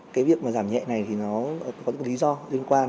cái việc mà giảm nhẹ này thì nó có những lý do liên quan